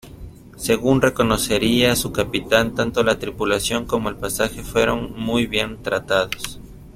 Según reconocería su capitán, tanto la tripulación como el pasaje fueron muy bien tratados.